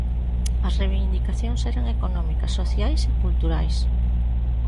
As reivindicacións eran económicas, sociais e culturais.